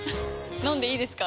飲んでいいですか？